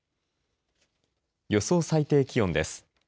予想最低気温です。